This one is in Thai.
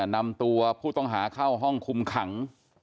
นำตัวผู้ต้องหาเข้าห้องคุมขัง